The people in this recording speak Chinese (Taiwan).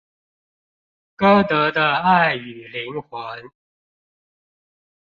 歌德的愛與靈魂